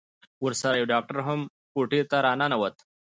ورسره يو ډاکتر هم کوټې ته راننوت.